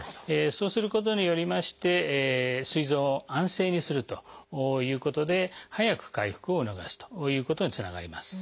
そうすることによりましてすい臓を安静にするということで早く回復を促すということにつながります。